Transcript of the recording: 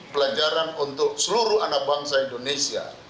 pelajaran untuk seluruh anak bangsa indonesia